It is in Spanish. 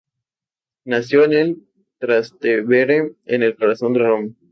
Nacido en el Trastevere, en el corazón de Roma.